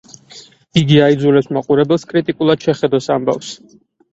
იგი აიძულებს მაყურებელს კრიტიკულად შეხედოს ამბავს.